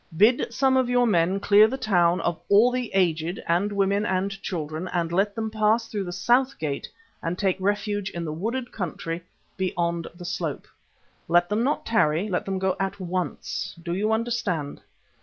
Bid some of your men clear the town of all the aged and women and children and let them pass though the south gate and take refuge in the wooded country beyond the slope. Let them not tarry. Let them go at once. Do you understand?"